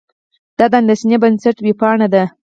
دا د اندېښې بنسټ وېبپاڼه ده.